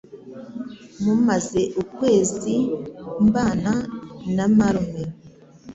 Mumaze ukwezi mbana na marume.